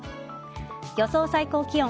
予想最高気温。